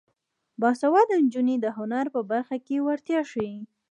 باسواده نجونې د هنر په برخه کې وړتیا ښيي.